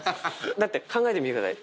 だって、考えてみてください。